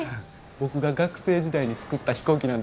僕が学生時代に作った飛行機なんです。